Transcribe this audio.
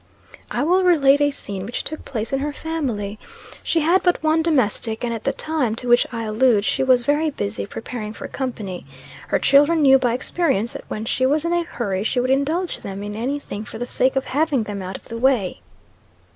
I will relate a scene which took place in her family. She had but one domestic, and at the time to which I allude, she was very busy preparing for company. Her children knew by experience that when she was in a hurry she would indulge them in any thing for the sake of having them out of the way.